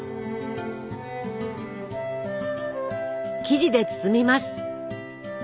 生地で包みます。